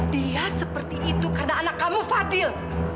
dia seperti itu karena anak kamu fadil